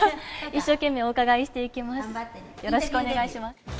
よろしくお願いします。